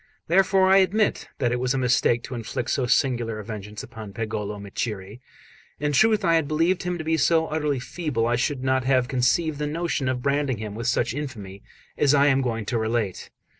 Therefore I admit that it was a mistake to inflict so singular a vengeance upon Pagolo Micceri. In truth, had I believed him to be so utterly feeble, I should not have conceived the notion of branding him with such infamy as I am going to relate.